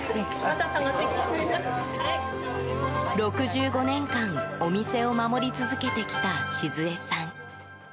６５年間お店を守り続けてきた静恵さん。